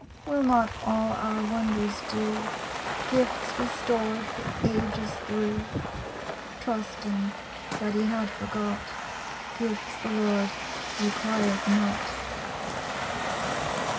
Will not all our wonders do? Gifts we stored the ages through, (Trusting that He had forgot) Gifts the Lord requirèd not?